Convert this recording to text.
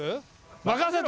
任せた！